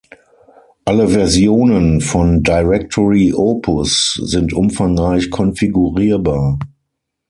Alle Versionen von "Directory Opus" sind umfangreich konfigurierbar.